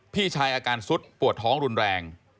พี่ชายอาการสุดปวดท้องรุนแรง